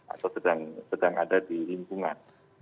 atau sedang ada di lingkungan